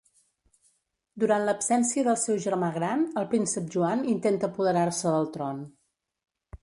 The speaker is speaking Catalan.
Durant l'absència del seu germà gran, el príncep Joan intenta apoderar-se del tron.